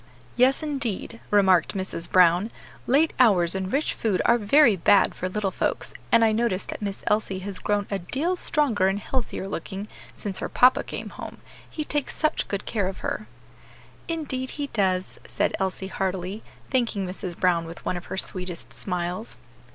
"Yes, indeed," remarked Mrs. Brown, "late hours and rich food are very bad for little folks, and I notice that Miss Elsie has grown a deal stronger and healthier looking since her papa came home; he takes such good care of her." "Indeed he does," said Elsie heartily, thanking Mrs. Brown with one of her sweetest smiles.